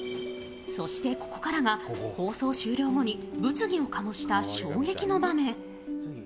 そして、ここからが放送終了後に物議を醸した衝撃の場面。